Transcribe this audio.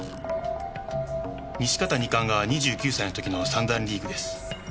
西片二冠が２９歳の時の三段リーグです。